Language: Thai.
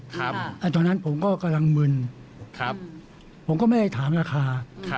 ตอนนั้นผมก็กำลังมึนผมก็ไม่ได้ถามราคา